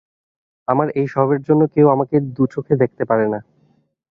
আমার এই স্বভাবের জন্য কেউ আমাকে দুচেখে দেখতে পারে না।